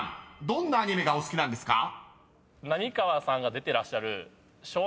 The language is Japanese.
どんなアニメがお好きなんですか？］